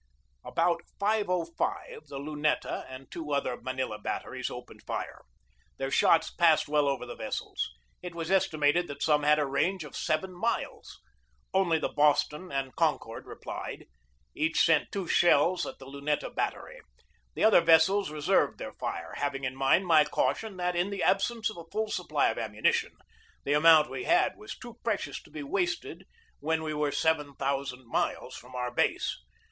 About 5.05 the Luneta and two other Manila batteries opened fire. Their shots passed well over the vessels. It was estimated that some had a range of seven miles. Only the Boston and Concord replied. Each sent two shells at the Luneta battery. The other vessels reserved their fire, having in mind my caution that, in the absence of a full supply of am munition, the amount we had was too precious to be wasted when we were seven thousand miles from our base.